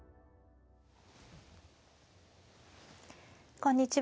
こんにちは。